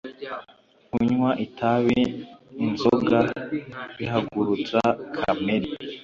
kunywa itabi inzoga bihagurutsa kamere